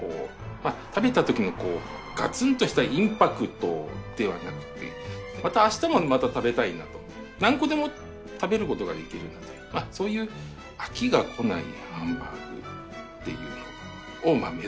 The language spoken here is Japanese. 食べた時のガツンとしたインパクトではなくてまたあしたもまた食べたいなと何個でも食べることができるなとまあそういう飽きがこないハンバーグっていうのを目指してますね。